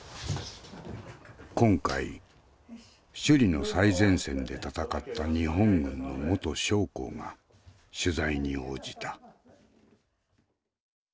今回首里の最前線で戦った日本軍の元将校が取材に応じた。